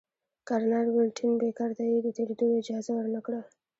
کرنل ولنټین بېکر ته یې د تېرېدلو اجازه ورنه کړه.